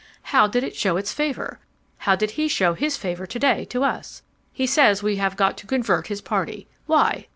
How did it show its favor? How did he show his favor today to us? He says we have got to convert his party ... Why?